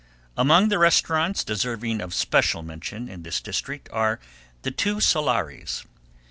Among the restaurants deserving of special mention in this district are the two Solaris.